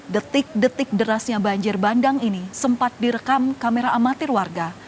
detik detik derasnya banjir bandang ini sempat direkam kamera amatir warga